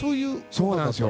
そうなんですよ。